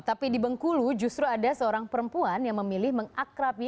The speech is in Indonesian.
tapi di bengkulu justru ada seorang perempuan yang memilih mengakrab